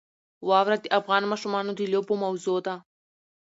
واوره د افغان ماشومانو د لوبو موضوع ده.